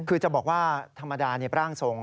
คือจะบอกว่าธรรมดาร่างทรง